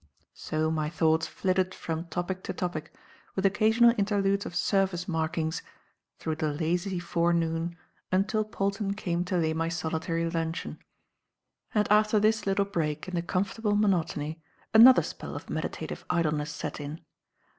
So my thoughts flitted from topic to topic, with occasional interludes of Surface Markings, through the lazy forenoon until Polton came to lay my solitary luncheon. And after this little break in the comfortable monotony, another spell of meditative idleness set in.